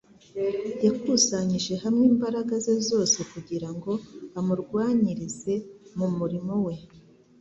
yakusanyije hamwe imbaraga ze zose kugira ngo amurwanyirize mu murimo We